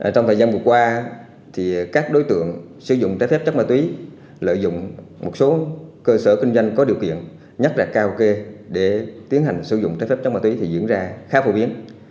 trong thời gian vừa qua các đối tượng sử dụng trái phép chất ma túy lợi dụng một số cơ sở kinh doanh có điều kiện nhất là kaoke để tiến hành sử dụng trái phép chất ma túy thì diễn ra khá phổ biến